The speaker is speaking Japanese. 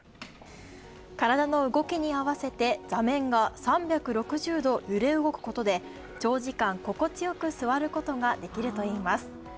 体の動きにあわせて座面が３６０度揺れ動くことで長時間、心地よく座ることができるといいます。